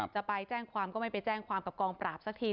จะไปแจ้งความก็ไม่ไปแจ้งความกับกองปราบสักที